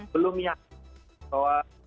belum nyatakan bahwa